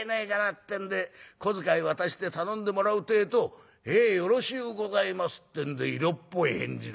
ってんで小遣い渡して頼んでもらうってえと『へえよろしゅうございます』ってんで色っぽい返事だよ。